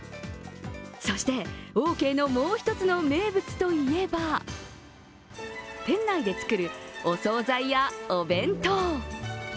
そしてオーケーのもう一つの名物といえば店内で作るお総菜やお弁当。